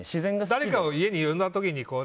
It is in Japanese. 誰かを家に呼んだ時に。